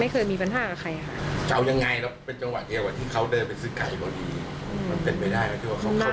คงน่าจะเป็นไปได้มั้ยคะ